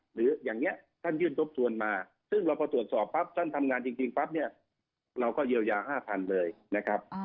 หรืออย่างนี้ท่านยื่นทบทวนมาซึ่งเราพอตรวจสอบปั๊บท่านทำงานจริงปั๊บเนี่ยเราก็เยียวยา๕๐๐เลยนะครับ